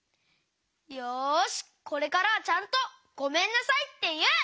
よしこれからはちゃんと「ごめんなさい」っていう！